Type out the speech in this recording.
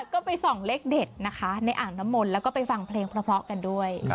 ก็ไปส่องเลขเด็ดนะคะในอ่างน้ำมนต์แล้วก็ไปฟังเพลงเพราะกันด้วย